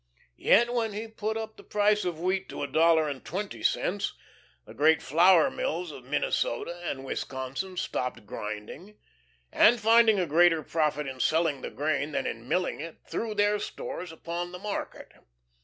Yet when he put up the price of wheat to a dollar and twenty cents, the great flour mills of Minnesota and Wisconsin stopped grinding, and finding a greater profit in selling the grain than in milling it, threw their stores upon the market.